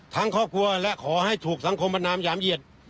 ครอบครัวและขอให้ถูกสังคมประนามหยามเหยียด